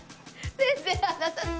全然離さない。